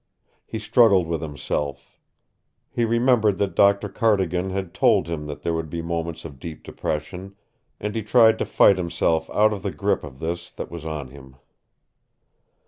He struggled with himself. He remembered that Dr. Cardigan had told him there would be moments of deep depression, and he tried to fight himself out of the grip of this that was on him.